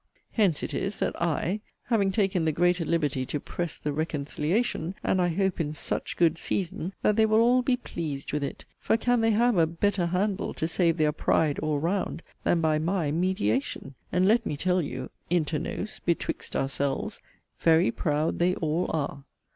Hence it is, that 'I' have taken the greater liberty to 'press the reconciliation'; and I hope in 'such good season,' that they will all be 'pleased' with it: for can they have a 'better handle' to save their 'pride' all round, than by my 'mediation'? And let me tell you, (inter nos, 'betwixt ourselves,') 'very proud they all are.'